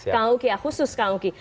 kang uki ya khusus kang uki